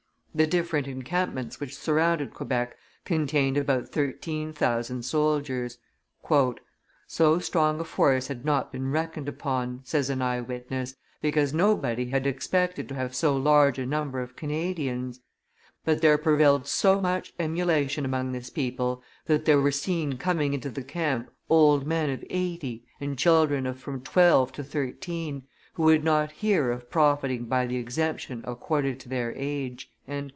The different encampments which surrounded Quebec contained about thirteen thousand soldiers. "So strong a force had not been reckoned upon," says an eye witness, "because nobody had expected to have so large a number of Canadians; but there prevailed so much emulation among this people that there were seen coming into the camp old men of eighty and children of from twelve to thirteen, who would not hear of profiting by the exemption accorded to their age."